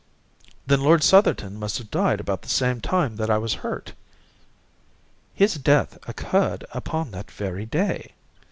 "Then Lord Southerton must have died about the same time that I was hurt?" "His death occurred upon that very day."